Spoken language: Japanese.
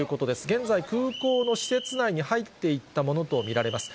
現在、空港の施設内に入っていったものと見られます。